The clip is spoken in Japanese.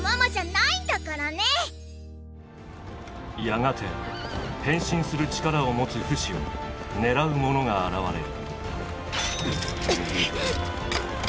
やがて変身する力を持つフシを狙う者が現れる。